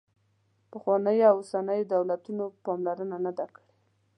پخوانیو او اوسنیو دولتونو پاملرنه نه ده کړې.